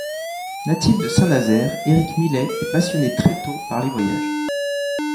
Natif de Saint-Nazaire, Éric Milet est passionné très tôt par les voyages.